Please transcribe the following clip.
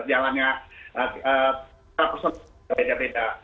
hanya ada perjalanan yang berbeda beda